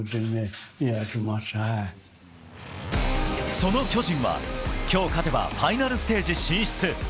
その巨人は、今日勝てばファイナルステージ進出。